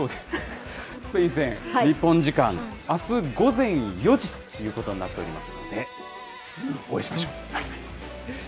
スペイン戦、日本時間あす午前４時ということになっておりますので、応援しましょう。